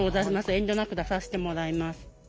遠慮なく出させてもらいます。